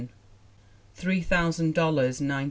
Three Thousand Dollars, 1909.